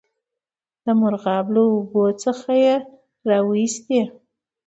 د مرغاب له اوبو څخه یې را وایستی.